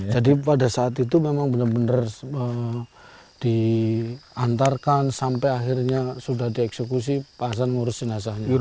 jadi pada saat itu memang benar benar diantarkan sampai akhirnya sudah dieksekusi pak hasan mengurusin asahnya